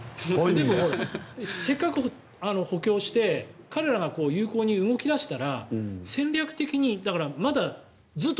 でも、せっかく補強して彼らが有効に動き出したら戦略的に、まだずっと